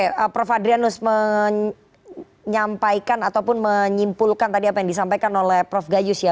oke prof adrianus menyampaikan ataupun menyimpulkan tadi apa yang disampaikan oleh prof gayus ya